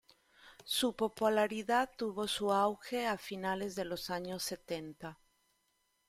Su popularidad tuvo su auge a finales de los años setenta.